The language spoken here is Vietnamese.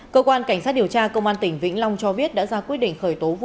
cơ quan cảnh sát điều tra công an tỉnh vĩnh long cho biết đã ra quyết định khởi tố vụ án